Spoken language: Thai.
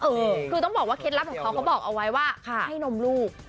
เออคือต้องบอกว่าเคล็ดลับของเขาเขาบอกเอาไว้ว่าให้นมลูก